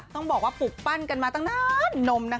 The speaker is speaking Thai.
ต้องบอกว่าปลูกปั้นกันมาตั้งนานนมนะคะ